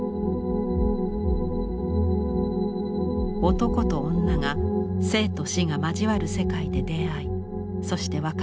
男と女が生と死が交わる世界で出会いそして別れてゆく。